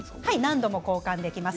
何度も交換できます。